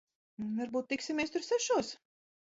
Varbūt tiksimies tur sešos?